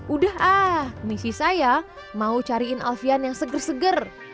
udah ah misi saya mau cariin alfian yang seger seger